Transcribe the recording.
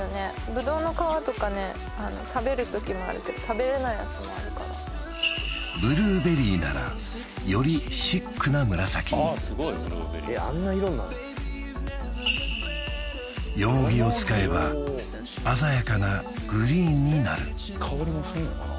ぶどうの皮とかね食べるときもあるけど食べれないやつもあるからブルーベリーならよりシックな紫にえっあんな色になんの？よもぎを使えば鮮やかなグリーンになる香りもするのかな